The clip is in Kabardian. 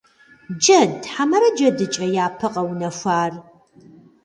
Джэд хьэмэрэ джэдыкӀэ япэ къэунэхуар?